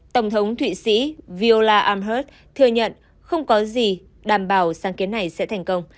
tổng thống thụy sĩ viola amherst thừa nhận không có gì đảm bảo sáng kiến này sẽ thành công